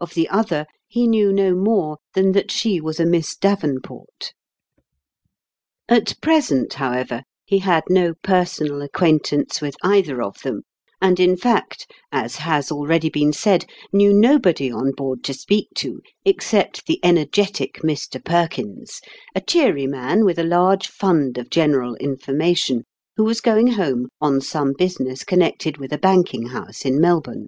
Of the other, he knew no more than that she was a Miss Davenport. At present, however, he had no personal acquaintance with either of them, and, in fact, as has already been said, knew nobody on board to speak to, except the energetic Mr. Perkins, a cheery man with a large fund of general information, who was going home on some business connected with a banking house in Melbourne.